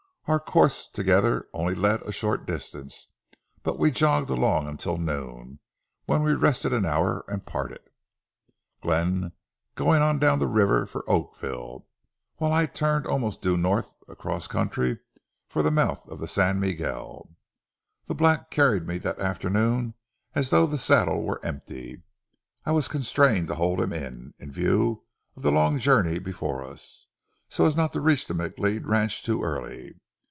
Our course together only led a short distance, but we jogged along until noon, when we rested an hour and parted, Glenn going on down the river for Oakville, while I turned almost due north across country for the mouth of San Miguel. The black carried me that afternoon as though the saddle was empty. I was constrained to hold him in, in view of the long journey before us, so as not to reach the McLeod ranch too early.